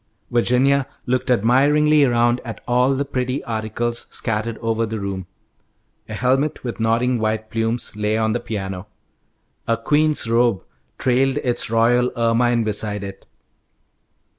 Virginia looked admiringly around at all the pretty articles scattered over the room. A helmet with nodding white plumes lay on the piano. A queen's robe trailed its royal ermine beside it.